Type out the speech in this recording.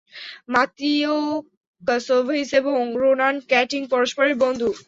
মাতিয়ো Kasovis এবং Ronan Keating পরস্পরের বন্ধু।